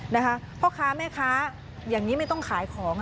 นะคะพ่อค้าแม่ค้าอย่างนี้ไม่ต้องขายของ